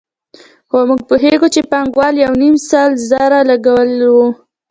خو موږ پوهېږو چې پانګوال یو نیم سل زره لګولي وو